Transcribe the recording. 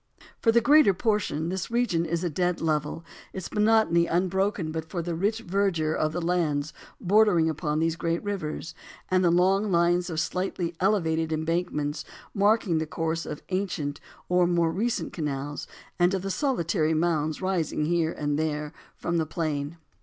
For the greater portion, this region is a dead level, its monotony unbroken but for the rich verdure of the lands bordering upon these great rivers, and the long lines of slightly elevated embankments marking the course of ancient, or more recent canals, and the solitary mounds rising here and there from the plain.